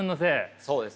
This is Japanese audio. そうですね。